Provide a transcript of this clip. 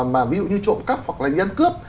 mà ví dụ như trộm cắp hoặc là nhân cướp